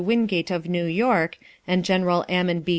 WINGATE Of New York and Gen. AMMON B.